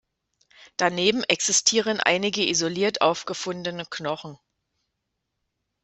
Daneben existieren einige isoliert aufgefundene Knochen.